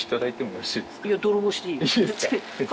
いや泥棒していいよいいですか？